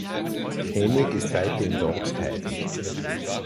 Hennig ist seitdem dort tätig.